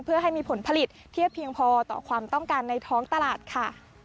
เพื่อให้มีผลผลิตเทียบเพียงพอต่อความต้องการในท้องตลาดค่ะ